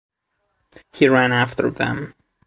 He ran after them.